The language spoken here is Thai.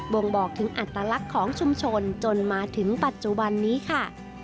่งบอกถึงอัตลักษณ์ของชุมชนจนมาถึงปัจจุบันนี้ค่ะ